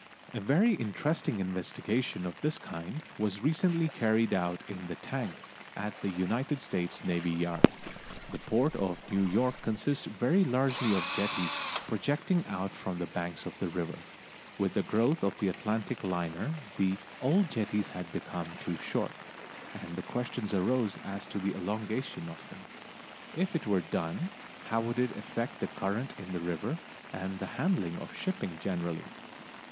A very interesting investigation of this kind was recently carried out in the tank at the United States Navy Yard. The port of New York consists very largely of jetties projecting out from the banks of the river. With the growth of the Atlantic liner the old jetties had become too short, and questions arose as to the elongation of them. If it were done, how would it effect the current in the river, and the handling of shipping generally?